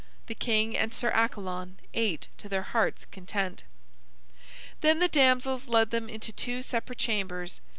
The king and Sir Accalon ate to their hearts' content. Then the damsels led them into two separate chambers.